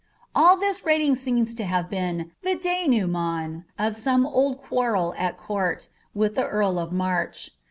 AD this rating seems to hare been the denouement of some old quar rel at court, with the earl of March.